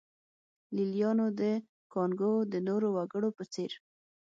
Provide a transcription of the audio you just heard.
لېلیانو د کانګو د نورو وګړو په څېر.